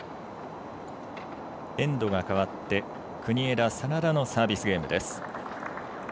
エンドが変わって国枝、眞田のサービスゲームです。